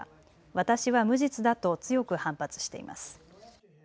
私は無実だと強く反発しています。